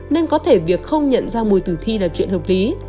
nên có thể việc không nhận ra mùi tử thi là chuyện hợp lý